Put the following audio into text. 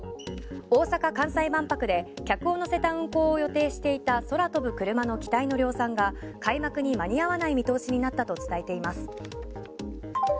大阪・関西万博で客を乗せることを予定していた空飛ぶクルマの機体の量産が開幕に間に合わない見通しになったと伝えています。